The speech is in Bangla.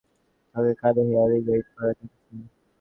তাকে কানে হিয়ারিং এইড পরা দেখেছি।